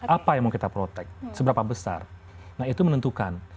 apa yang mau kita protect seberapa besar nah itu menentukan